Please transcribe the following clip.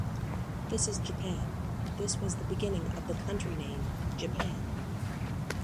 This is Japan This was the beginning of the country name Japan.